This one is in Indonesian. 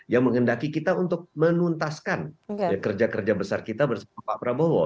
yang menghendaki kita untuk menuntaskan kerja kerja besar kita bersama pak prabowo